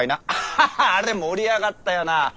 アハハあれ盛り上がったよなぁ。